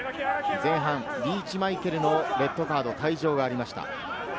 前半、リーチ・マイケルのレッドカード、退場がありました。